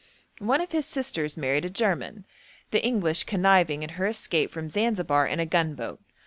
One of his sisters married a German, the English conniving at her escape from Zanzibar in a gunboat.